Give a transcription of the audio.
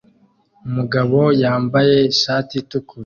Umugabo yambaye ishati itukura